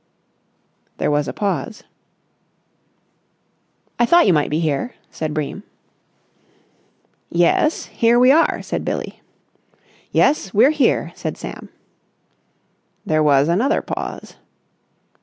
There was a pause. "I thought you might be here," said Bream. "Yes, here we are," said Billie. "Yes, we're here," said Sam. There was another pause.